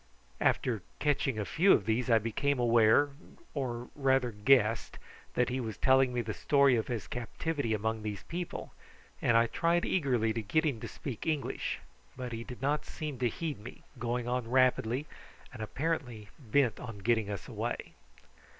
After catching a few of these I became aware, or rather guessed, that he was telling me the story of his captivity among these people, and I tried eagerly to get him to speak English; but he did not seem to heed me, going on rapidly, and apparently bent on getting us away.